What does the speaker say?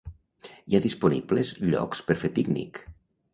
Hi ha disponibles llocs per fer pícnic.